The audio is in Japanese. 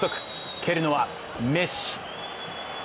蹴るのはメッシ。